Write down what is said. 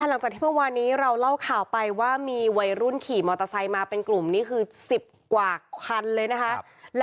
หลังจากที่เมื่อวานนี้เราเล่าข่าวไปว่ามีวัยรุ่นขี่มอเตอร์ไซค์มาเป็นกลุ่มนี้คือ๑๐กว่าคันเลยนะคะ